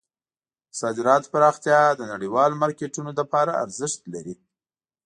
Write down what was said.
د صادراتو پراختیا د نړیوالو مارکیټونو لپاره ارزښت لري.